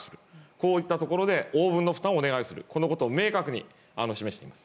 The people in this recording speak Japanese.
こうしたところで応分の負担をお願いすることを明確に示しています。